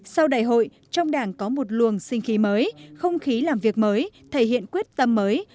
sau đại hội trong đảng có một luồng sinh khí mới không khí làm việc mới thể hiện quyết tâm mới